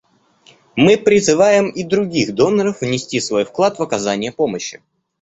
Мы призываем и других доноров внести свой вклад в оказание помощи.